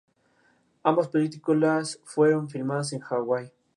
Podrán prestar servicio de uniforme o de paisano, según se determine.